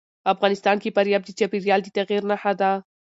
افغانستان کې فاریاب د چاپېریال د تغیر نښه ده.